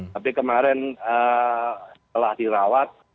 tapi kemarin setelah dirawat